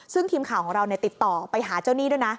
ซึ่งทีมข่าวของเราติดต่อไปหาเจ้าหนี้ด้วยนะ